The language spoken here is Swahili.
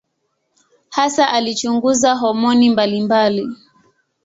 Hasa alichunguza homoni mbalimbali.